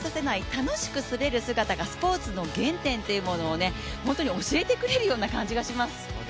楽しく滑る姿がスポーツの原点というものを本当に教えてくれるような感じがします。